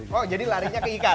kok jadi larinya ke ikan